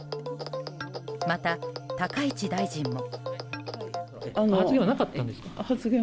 また、高市大臣も。